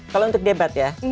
kalau untuk debat ya